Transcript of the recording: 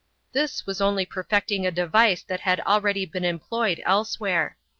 This was only perfecting a device that had already been employed elsewhere.